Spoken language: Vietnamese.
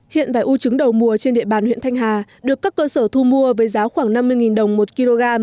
hiện vải u trứng đầu mùa trên địa bàn huyện thanh hà được các cơ sở thu mua với giá khoảng năm mươi đồng một kg